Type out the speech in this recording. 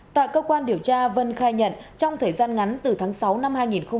tại cơ quan điều tra vân khai nhận trong thời gian ngắn từ tháng sáu năm hai nghìn một mươi chín